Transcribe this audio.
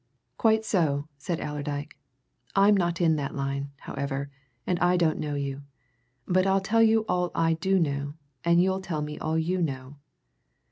"Quite so," said Allerdyke. "I'm not in that line, however, and I don't know you. But I'll tell you all I do know and you'll tell me all you know.